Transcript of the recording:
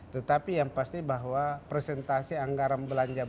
tetapi yang pasti bahwa presentasi anggaran belanja